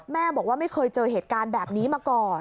แม่บอกว่าไม่เคยเจอเหตุการณ์แบบนี้มาก่อน